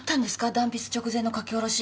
断筆直前の書き下ろし。